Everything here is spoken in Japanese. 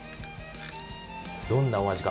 どんなお味か。